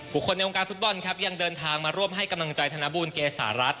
คนในวงการฟุตบอลครับยังเดินทางมาร่วมให้กำลังใจธนบูลเกษารัฐ